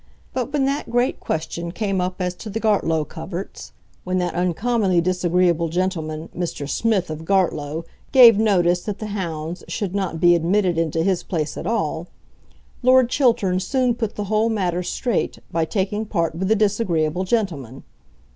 But when that great question came up as to the Gartlow coverts when that uncommonly disagreeable gentleman, Mr. Smith, of Gartlow, gave notice that the hounds should not be admitted into his place at all, Lord Chiltern soon put the whole matter straight by taking part with the disagreeable gentleman.